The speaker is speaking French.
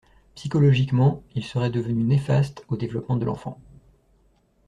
Psychologiquement, il serait devenu néfaste au développement de l’enfant.